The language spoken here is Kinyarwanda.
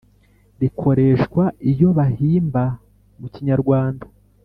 rikoreshwa iyo bahimba mu kinyarwanda